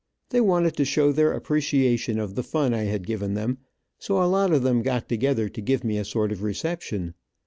They wanted to show their appreciation of the fun I had given them, so a lot of them got together to give me a sort of reception.